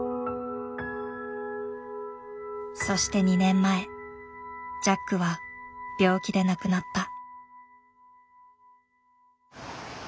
そして２年前ジャックは病気で亡くなった。